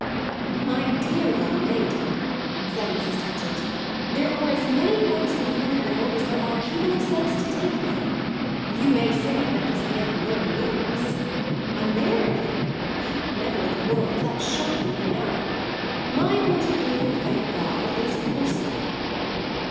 "My dear young lady," said Mrs. Touchett, "there are as many points of view in the world as there are people of sense to take them. You may say that doesn't make them very numerous! American? Never in the world; that's shockingly narrow. My point of view, thank God, is personal!"